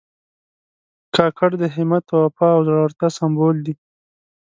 کاکړ د همت، وفا او زړورتیا سمبول دي.